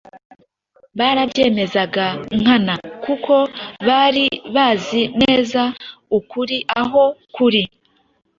barabyemezaga nkana kuko bari bazi neza ukuri aho kuri.